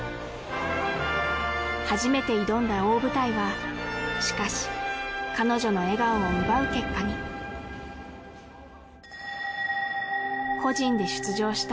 初めて挑んだ大舞台はしかし彼女の笑顔を奪う結果に個人で出場した